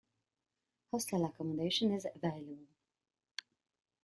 Hostel accommodation is available.